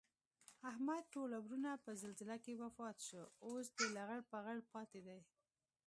احمد ټول ورڼه په زلزله کې وفات شول. اوس دی لغړ پغړ پاتې دی